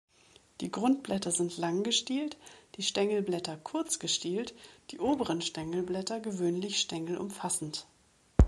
Die Grundblätter sind lang gestielt, die Stängelblätter kurz gestielt, die oberen Stängelblätter gewöhnlich stängelumfassend.